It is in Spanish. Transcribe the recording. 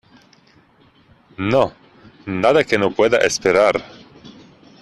no, nada que no pueda esperar.